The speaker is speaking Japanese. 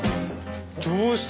どうした？